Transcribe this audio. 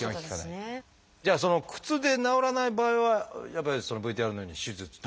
じゃあその靴で治らない場合はやっぱりＶＴＲのように手術。